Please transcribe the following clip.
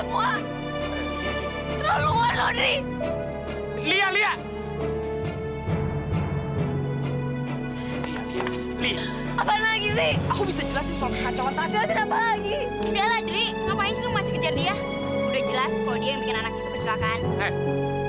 udah jelas kalau dia yang bikin anak itu kecelakaan